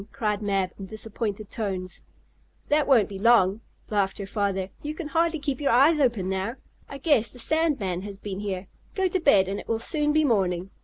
cried Mab, in disappointed tones. "That won't be long," laughed her father. "You can hardly keep your eyes open now. I guess the sand man has been here. Go to bed, and it will soon be morning.